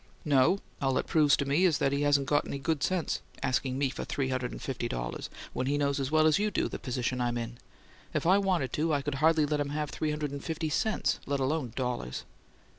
"No. All it proves to me is that he hasn't got good sense asking me for three hundred and fifty dollars, when he knows as well as you do the position I'm in! If I wanted to, I couldn't hardly let him have three hundred and fifty cents, let alone dollars!"